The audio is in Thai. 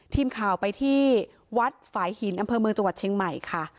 ทีมข่าวไปที่วัดฝ่ายหินอำเภอเมืองจังหวัดเชียงใหม่ค่ะ